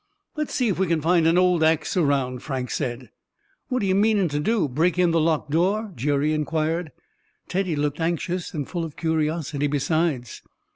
"Let's see if we can find an old ax around," Frank said. "What are you meaning to do—break in the locked door?" Jerry inquired. Teddy looked anxious, and full of curiosity besides.